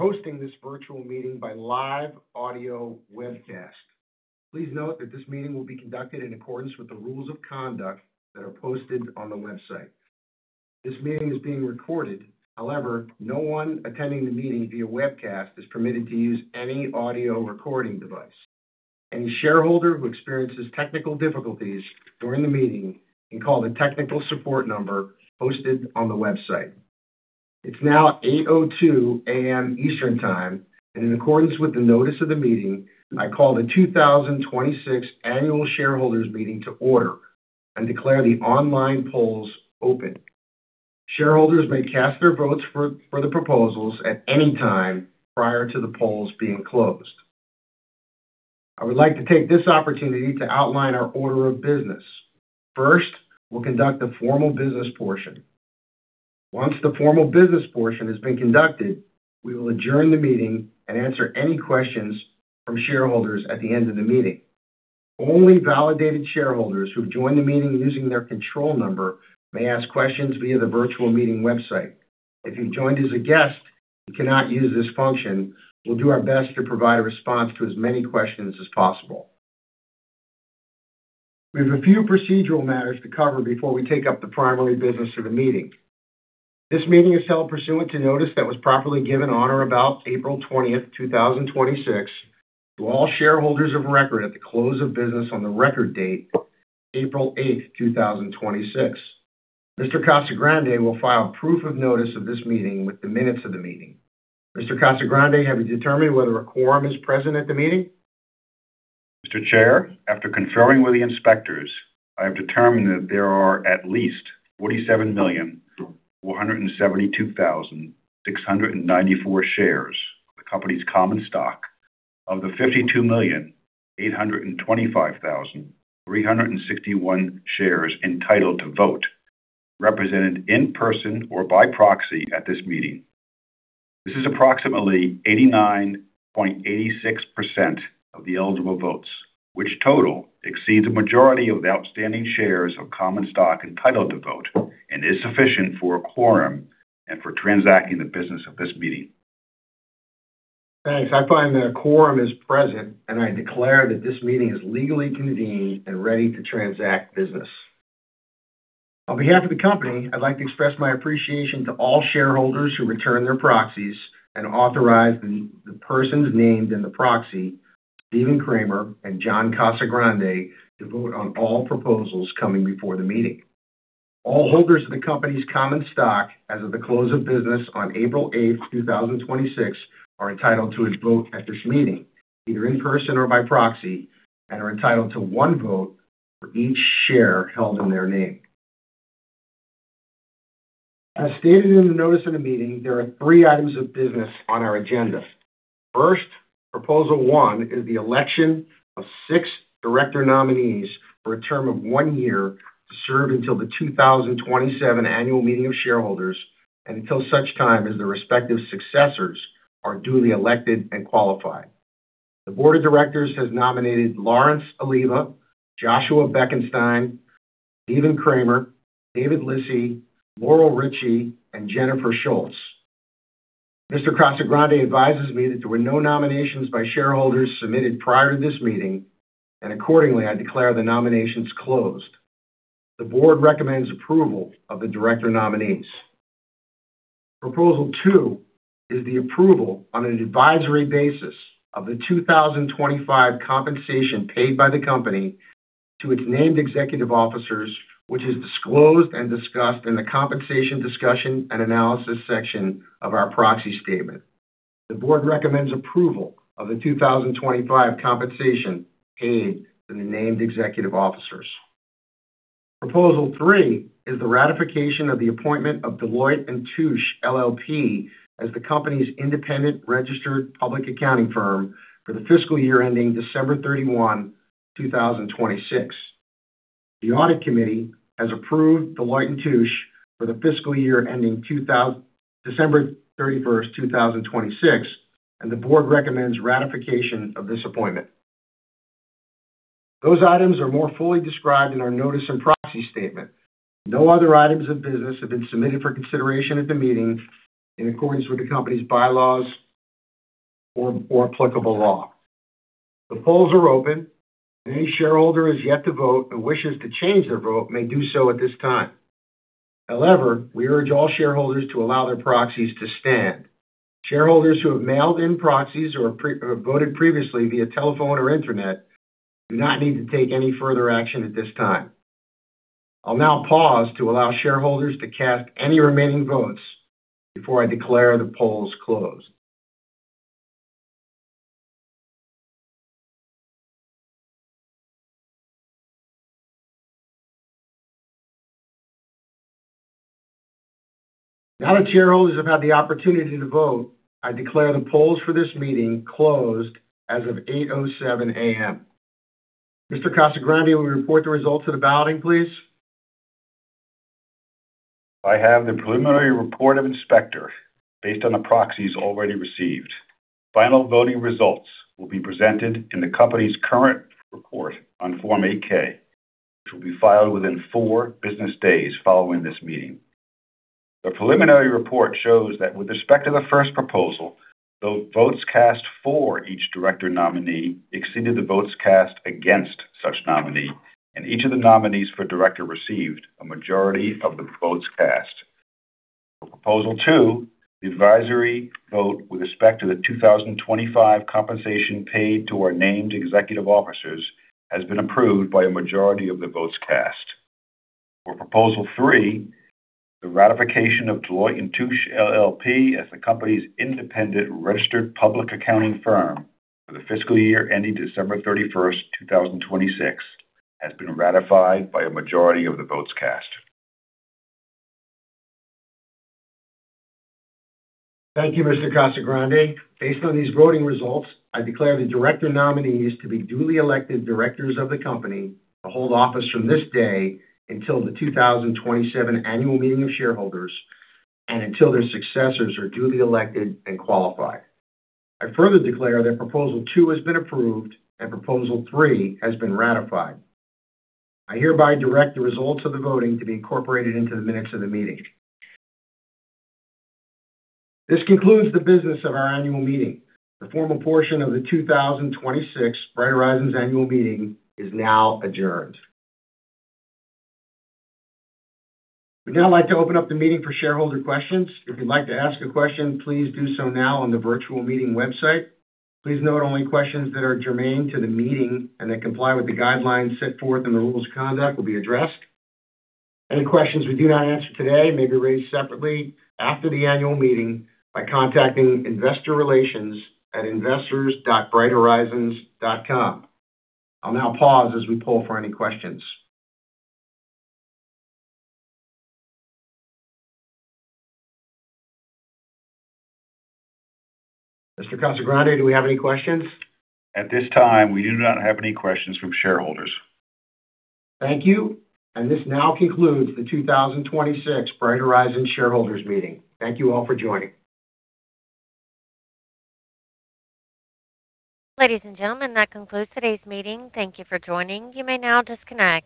We're hosting this virtual meeting by live audio webcast. Please note that this meeting will be conducted in accordance with the rules of conduct that are posted on the website. This meeting is being recorded. However, no one attending the meeting via webcast is permitted to use any audio recording device. Any shareholder who experiences technical difficulties during the meeting can call the technical support number posted on the website. It's now 8:02 A.M. Eastern Time. In accordance with the notice of the meeting, I call the 2026 Annual Shareholders Meeting to order and declare the online polls open. Shareholders may cast their votes for the proposals at any time prior to the polls being closed. I would like to take this opportunity to outline our order of business. First, we'll conduct the formal business portion. Once the formal business portion has been conducted, we will adjourn the meeting and answer any questions from shareholders at the end of the meeting. Only validated shareholders who have joined the meeting using their control number may ask questions via the virtual meeting website. If you joined as a guest, you cannot use this function. We'll do our best to provide a response to as many questions as possible. We have a few procedural matters to cover before we take up the primary business of the meeting. This meeting is held pursuant to notice that was properly given on or about April 20th, 2026, to all shareholders of record at the close of business on the record date, April 8th, 2026. Mr. Casagrande will file proof of notice of this meeting with the minutes of the meeting. Mr. Casagrande, have you determined whether a quorum is present at the meeting? Mr. Chair, after conferring with the inspectors, I have determined that there are at least 47,472,694 shares of the company's common stock of the 52,825,361 shares entitled to vote, represented in person or by proxy at this meeting. This is approximately 89.86% of the eligible votes, which total exceeds a majority of the outstanding shares of common stock entitled to vote and is sufficient for a quorum and for transacting the business of this meeting. Thanks. I find that a quorum is present, and I declare that this meeting is legally convened and ready to transact business. On behalf of the company, I'd like to express my appreciation to all shareholders who returned their proxies and authorized the persons named in the proxy, Stephen Kramer and John Casagrande, to vote on all proposals coming before the meeting. All holders of the company's common stock as of the close of business on April 8th, 2026, are entitled to a vote at this meeting, either in person or by proxy, and are entitled to one vote for each share held in their name. As stated in the notice of the meeting, there are three items of business on our agenda. First, proposal one is the election of six director nominees for a term of one year to serve until the 2027 Annual Meeting of Shareholders and until such time as their respective successors are duly elected and qualified. The Board of Directors has nominated Lawrence Alleva, Joshua Bekenstein, Stephen Kramer, David Lissy, Laurel Richie, and Jennifer Schulz. Mr. Casagrande advises me that there were no nominations by shareholders submitted prior to this meeting. Accordingly, I declare the nominations closed. The Board recommends approval of the Director nominees. Proposal two is the approval on an advisory basis of the 2025 compensation paid by the company to its named executive officers, which is disclosed and discussed in the compensation discussion and analysis section of our proxy statement. The Board recommends approval of the 2025 compensation paid to the named executive officers. Proposal three is the ratification of the appointment of Deloitte & Touche LLP as the company's independent registered public accounting firm for the fiscal year ending December 31, 2026. The audit committee has approved Deloitte & Touche for the fiscal year ending December 31st, 2026. The Board recommends ratification of this appointment. Those items are more fully described in our notice and proxy statement. No other items of business have been submitted for consideration at the meeting in accordance with the company's bylaws or applicable law. The polls are open. Any shareholder who has yet to vote and wishes to change their vote may do so at this time. However, we urge all shareholders to allow their proxies to stand. Shareholders who have mailed in proxies or voted previously via telephone or internet do not need to take any further action at this time. I'll now pause to allow shareholders to cast any remaining votes before I declare the polls closed. Now that shareholders have had the opportunity to vote, I declare the polls for this meeting closed as of 8:07 A.M. Mr. Casagrande, will you report the results of the balloting, please? I have the preliminary report of inspector based on the proxies already received. Final voting results will be presented in the company's current report on Form 8-K, which will be filed within four business days following this meeting. The preliminary report shows that with respect to the first proposal, the votes cast for each Director nominee exceeded the votes cast against such nominee, and each of the nominees for director received a majority of the votes cast. For proposal two, the advisory vote with respect to the 2025 compensation paid to our named executive officers has been approved by a majority of the votes cast. For proposal three, the ratification of Deloitte & Touche LLP as the company's independent registered public accounting firm for the fiscal year ending December 31st, 2026, has been ratified by a majority of the votes cast. Thank you, Mr. Casagrande. Based on these voting results, I declare the Director nominees to be duly elected directors of the company to hold office from this day until the 2027 Annual Meeting of Shareholders and until their successors are duly elected and qualified. I further declare that proposal two has been approved and proposal three has been ratified. I hereby direct the results of the voting to be incorporated into the minutes of the meeting. This concludes the business of our annual meeting. The formal portion of the 2026 Bright Horizons Annual Meeting is now adjourned. We'd now like to open up the meeting for shareholder questions. If you'd like to ask a question, please do so now on the virtual meeting website. Please note only questions that are germane to the meeting and that comply with the guidelines set forth in the rules of conduct will be addressed. Any questions we do not answer today may be raised separately after the Annual Meeting by contacting Investor Relations at investors.brighthorizons.com. I'll now pause as we poll for any questions. Mr. Casagrande, do we have any questions? At this time, we do not have any questions from shareholders. Thank you. This now concludes the 2026 Bright Horizons Shareholders meeting. Thank you all for joining. Ladies and gentlemen, that concludes today's meeting. Thank you for joining. You may now disconnect.